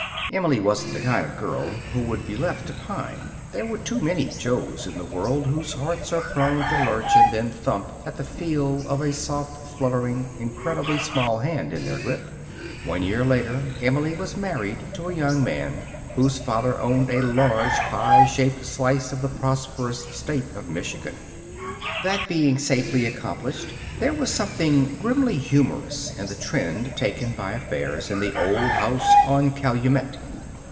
Emily wasn't the kind of girl who would be left to pine. There are too many Jos in the world whose hearts are prone to lurch and then thump at the feel of a soft, fluttering, incredibly small hand in their grip. One year later Emily was married to a young man whose father owned a large, pie shaped slice of the prosperous state of Michigan. That being safely accomplished, there was something grimly humorous in the trend taken by affairs in the old house on Calumet.